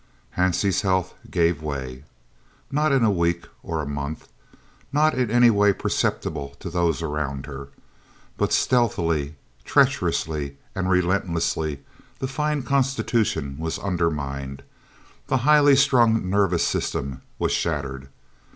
Hansie's health gave way. Not in a week or a month, not in any way perceptible to those around her, but stealthily, treacherously, and relentlessly the fine constitution was undermined, the highly strung nervous system was shattered.